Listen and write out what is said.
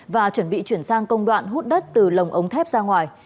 và chuẩn bị chuyển sang công đoạn hút đất từ lồng ống thép ra ngoài